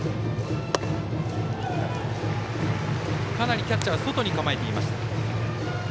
かなりキャッチャーは外に構えていました。